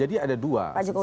jadi ada dua